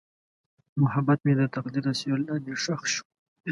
محبت مې د تقدیر تر سیوري لاندې ښخ شو.